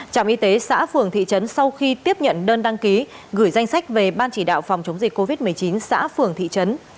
trạm y tế xã phường thị trấn sau khi tiếp nhận đơn đăng ký gửi danh sách về ban chỉ đạo phòng chống dịch covid một mươi chín xã phường thị trấn